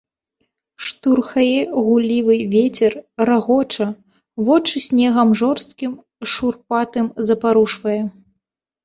Штурхае гуллівы вецер, рагоча, вочы снегам жорсткім, шурпатым запарушвае.